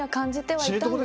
はい。